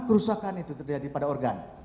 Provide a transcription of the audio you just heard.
kerusakan itu terjadi pada organ